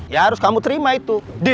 ya harus kamu terima itu